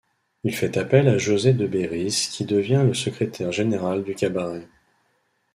Il fait appel à José de Bérys qui devient le secrétaire général du cabaret.